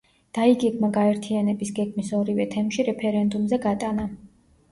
დაიგეგმა გაერთიანების გეგმის ორივე თემში რეფერენდუმზე გატანა.